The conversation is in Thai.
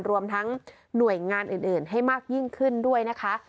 รวมทั้งหน่วยงานอื่นให้มากยิ่งขึ้นด้วยนะคะ